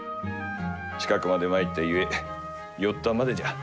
近くまで参ったゆえ寄ったまでじゃ。